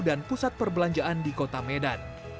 dan pusat perbelanjaan di kota medan